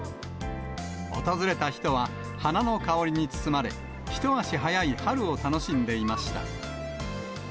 訪れた人は花の香りに包まれ、一足早い春を楽しんでいました。